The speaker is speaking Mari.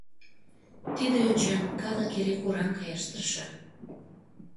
Тиде йочам калык эре кораҥ каяш тырша.